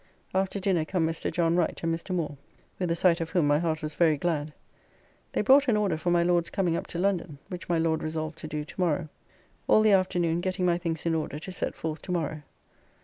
After dinner come Mr. John Wright and Mr. Moore, with the sight of whom my heart was very glad. They brought an order for my Lord's coming up to London, which my Lord resolved to do tomorrow. All the afternoon getting my things in order to set forth to morrow.